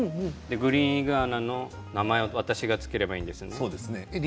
グリーンイグアナの名前を私が付ければいいんですね。